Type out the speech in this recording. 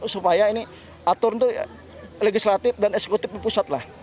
supaya ini atur itu legislatif dan eksekutif pusat lah